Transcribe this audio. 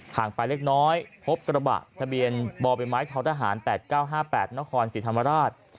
ห่างไปเล็กน้อยพบกระบะทะเบียนบมทท๘๙๕๘นศรีธรรมราช